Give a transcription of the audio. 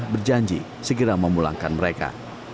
berjanji segera memulangkan mereka